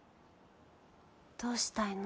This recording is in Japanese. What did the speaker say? どうしたいの？